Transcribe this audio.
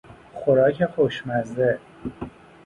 خوراک خوشمزه